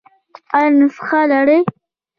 ایا نسخه لرئ؟